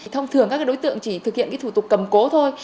thông thường các đối tượng chỉ thực hiện thủ tục cầm cố thôi